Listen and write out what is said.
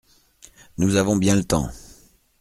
Nous avons bien le temps…